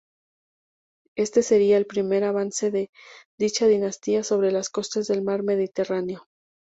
Éste sería el primer avance de dicha dinastía sobre las costas del Mar Mediterráneo.